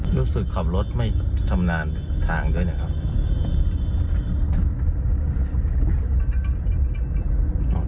รู้สึกขับรถไม่ชำนาญทางด้วยนะครับ